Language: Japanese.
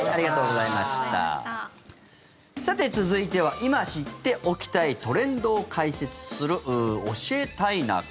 さて、続いては今、知っておきたいトレンドを解説する「教えたいな会」。